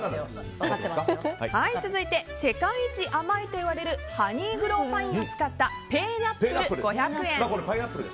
続いて、世界一甘いといわれるハニーグローパインを使ったパイナップルです、これ。